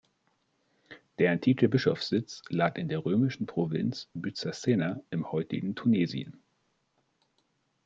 Der antike Bischofssitz lag in der römischen Provinz Byzacena im heutigen Tunesien.